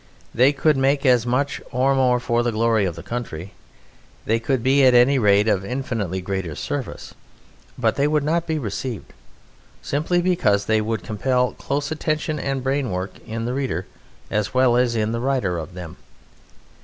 They could make as much or more for the glory of the country; they could be at any rate of infinitely greater service, but they would not be received, simply because they would compel close attention and brain work in the reader as well as in the writer of them.